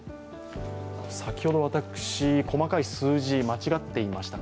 先ほど私、細かい数字、間違っていました。